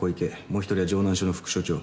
もう一人は城南署の副署長。